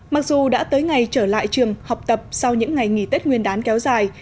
mặc dù đã tới ngày trở lại trường học tập sau những ngày nghỉ tết nguyên đán kéo dài